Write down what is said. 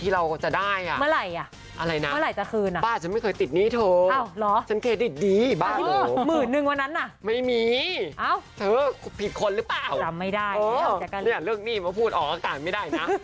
เราไม่มีสำรองงานไม่มีทุกอย่างยกเลิกหมด